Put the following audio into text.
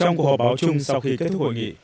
trong cuộc họp báo chung sau khi kết thúc hội nghị